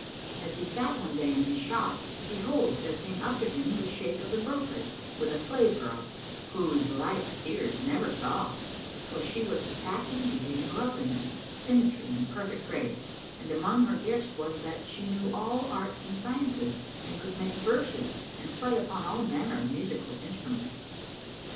As he sat one day in his shop, behold, there came up to him the Shaykh of the brokers, with a slave girl, whose like seers never saw, for she was of passing beauty and loveliness, symmetry and perfect grace, and among her gifts was that she knew all arts and sciences and could make verses and play upon all manner musical instruments.